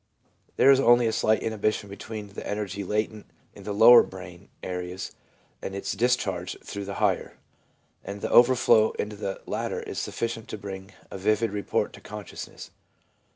There is only a slight inhibition between the energy latent in the lower brain areas and^ its dis charge through the higher; and the overflow into the latter is sufficient to bring a vivid report to conscious ness.